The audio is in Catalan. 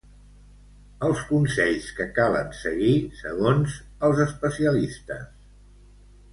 Els consells que calen seguir segons els especialistes.